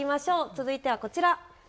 続いてはこちら。